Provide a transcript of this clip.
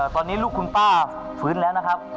ตอนนี้ลูกคุณป้าฟื้นแล้วนะครับ